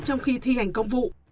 trong khi thi hành công vụ